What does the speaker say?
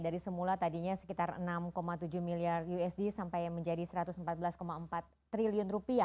dari semula tadinya sekitar rp enam tujuh miliar usd sampai menjadi rp satu ratus empat belas empat triliun